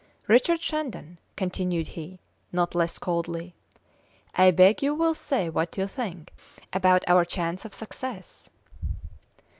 "Richard Shandon," continued he, not less coldly, "I beg you will say what you think about our chance of success."